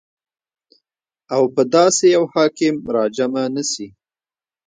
او په داسي يو حاكم راجمع نسي